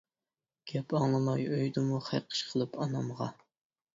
گەپ ئاڭلىماي ئۆيدىمۇ، خەقىش قىلىپ ئانامغا.